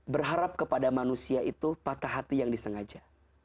berharap kepada manusia itu patah hati yang disengaja